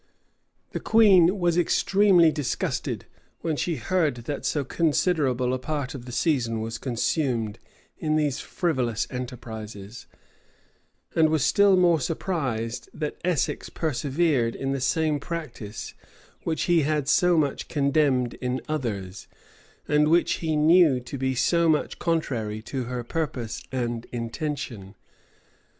The queen was extremely disgusted, when she heard that so considerable a part of the season was consumed in these frivolous enterprises; and was still more surprised, that Essex persevered in the same practice which he had so much condemned in others, and which he knew to be so much contrary to her purpose and intention.